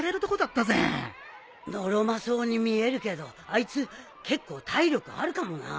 のろまそうに見えるけどあいつ結構体力あるかもな。